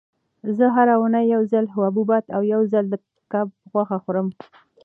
زه هره اونۍ یو ځل حبوبات او یو ځل د کب غوښه خورم.